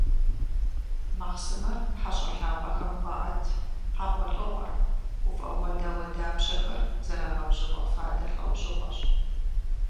Махъсымэр хьэщIэ лъапIэхэм хуаIэт, хьэгъуэлIыгъуэр, гуфIэгъуэ дауэдапщэхэр зэрагъэбжьыфIэ фадэ лIэужьыгъуэщ.